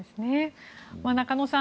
中野さん